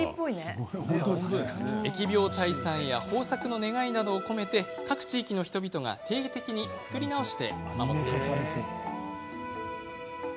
疫病退散や豊作の願いなどを込めて、各地域の人々が定期的に作り直して守っています。